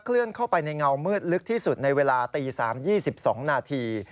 เลื่อนเข้าไปในเงามืดลึกที่สุดในเวลาตี๓๒๒นาที